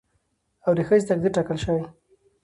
او د ښځې تقدير ټاکلى شي